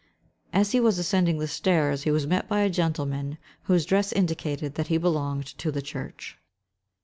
As he was ascending the stairs, he was met by a gentleman whose dress indicated that he belonged to the church.